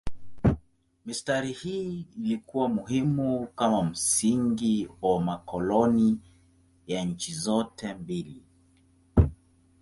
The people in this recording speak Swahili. Mistari hii ilikuwa muhimu kama msingi wa makoloni ya nchi zote mbili.